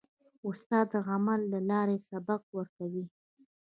استاد د عمل له لارې سبق ورکوي.